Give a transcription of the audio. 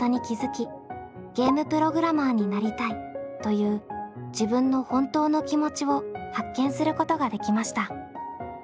「ゲームプログラマーになりたい」という自分の本当の気持ちを発見することができました。